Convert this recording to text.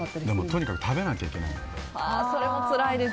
とにかく食べなきゃいけないので。